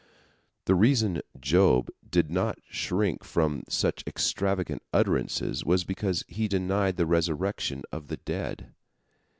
The reason Job did not shrink from such extravagant utterances was because he denied the resurrection of the dead.